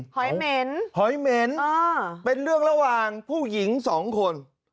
หอยเหม็นหอยเหม็นเป็นเรื่องระหว่างผู้หญิงสองคน